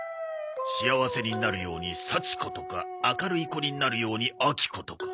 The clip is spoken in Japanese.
幸せになるように幸子とか明るい子になるように明子とか。